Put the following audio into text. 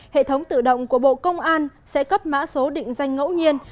hệ thống tự động của bộ công an sẽ cấp mã số định danh ngẫu nhiên